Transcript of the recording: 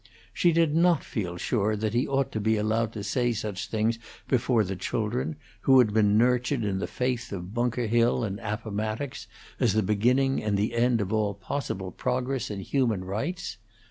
She did not feel sure that he should be allowed to say such things before the children, who had been nurtured in the faith of Bunker Hill and Appomattox, as the beginning and the end of all possible progress in human rights.